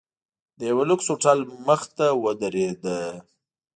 د یوه لوکس هوټل مخې ته ودریده.